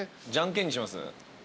じゃんけんにします？